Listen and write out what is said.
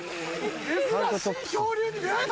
珍しい恐竜に出会えたね。